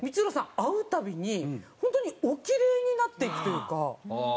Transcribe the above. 会うたびに本当におキレイになっていくというか。